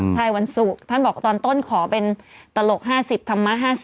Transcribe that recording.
ท่านบอกว่าตอนต้นขอเป็นตลก๕๐ธรรมะ๕๐